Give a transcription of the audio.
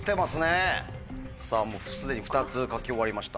もう既に２つ書き終わりました。